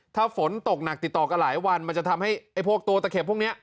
ถ้าฝนตกหนักติดต่อกันหลายวันมันจะทำให้ไอ้พวกตัวตะเข็บพวกนี้